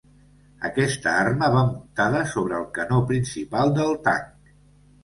Aquesta arma va muntada sobre el canó principal del tanc.